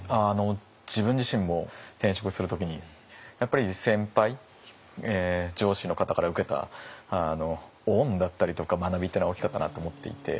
自分自身も転職する時にやっぱり先輩上司の方から受けた恩だったりとか学びっていうのは大きかったなと思っていて。